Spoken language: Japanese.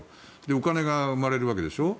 お金が生まれるわけでしょ。